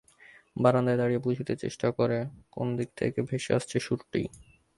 বারান্দায় দাঁড়িয়ে বুঝতে চেষ্টা করে ঠিক কোন দিক থেকে ভেসে আসছে সুরটি।